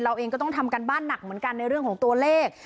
เราเองก็ต้องทำการบ้านหนักเหมือนกันในเรื่องของตัวเลข